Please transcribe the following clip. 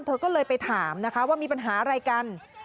เธอก็เลยไปถามนะคะว่ามีปัญหาอะไรกัน